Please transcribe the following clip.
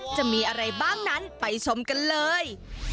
จะมีอะไรบ้างนั้นไปชมกันเลย